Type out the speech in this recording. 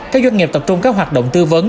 các doanh nghiệp tập trung các hoạt động tư vấn